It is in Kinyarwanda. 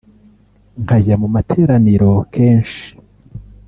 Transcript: nkajya mu materaniro kenshi